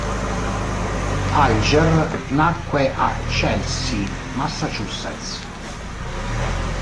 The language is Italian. Alger nacque a Chelsea, Massachusetts.